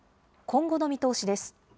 今後の見通しです。